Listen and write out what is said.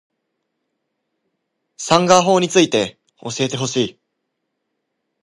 サンガ―法について教えてほしい